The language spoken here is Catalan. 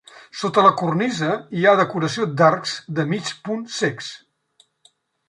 Sota la cornisa hi ha decoració d'arcs de mig punt cecs.